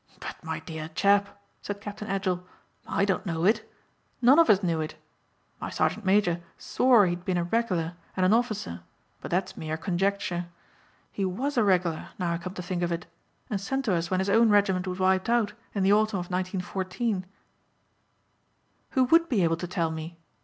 "But my dear chap," said Captain Edgell, "I don't know it. None of us knew it. My sergeant major swore he'd been a regular and an officer but that's mere conjecture. He was a regular now I come to think of it and sent to us when his own regiment was wiped out in the Autumn of 1914." "Who would be able to tell me?"